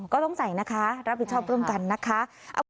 ก็ต้องใส่นะคะรับผิดชอบร่วมกันนะคะ